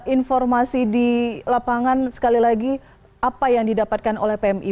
informasi di lapangan sekali lagi apa yang didapatkan oleh pmi